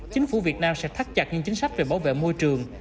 chính phủ việt nam sẽ thắt chặt những chính sách về bảo vệ môi trường